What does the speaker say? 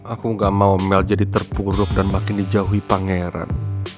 aku gak mau mel jadi terpuruk dan makin dijauhi pangeran